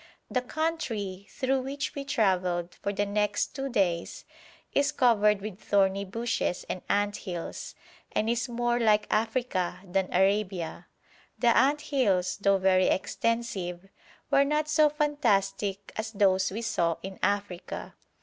The country through which we travelled for the next two days is covered with thorny bushes and anthills, and is more like Africa than Arabia. The anthills, though very extensive, were not so fantastic as those we saw in Africa.